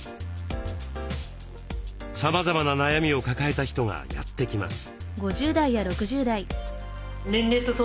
さまざまな悩みを抱えた人がやって来ます。